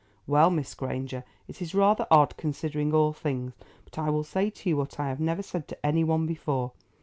"Well, Miss Granger, it is rather odd, considering all things, but I will say to you what I have never said to any one before.